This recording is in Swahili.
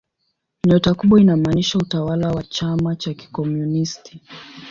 Nyota kubwa inamaanisha utawala wa chama cha kikomunisti.